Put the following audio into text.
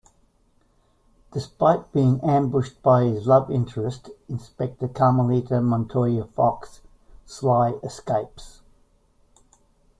Despite being ambushed by his love interest, Inspector Carmelita Montoya Fox, Sly escapes.